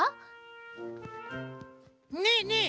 ねえねえ